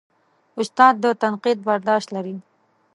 استاد د تنقید برداشت لري.